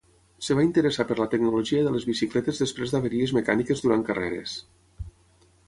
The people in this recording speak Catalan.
Es va interessar per la tecnologia de les bicicletes després de averies mecàniques durant carreres.